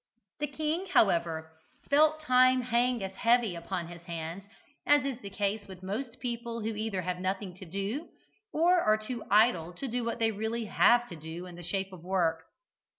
The king, however, felt time hang as heavy upon his hands as is the case with most people who either have nothing to do, or are too idle to do what they really have to do in the shape of work.